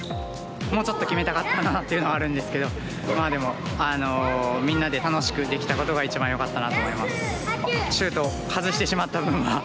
もうちょっと決めたかったなっていうのはあるんですけどまあでもみんなで楽しくできたことが一番よかったなと思います。